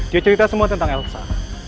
dia cerita semua tentang elsa